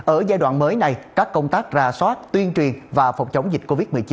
ở giai đoạn mới này các công tác ra soát tuyên truyền và phòng chống dịch covid một mươi chín